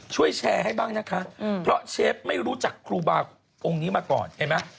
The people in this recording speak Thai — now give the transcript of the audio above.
ช่วยแชร์ให้บ้างนะคะเพราะเชฟไม่รู้จักครูบาองค์นี้มาก่อนเห็นไหม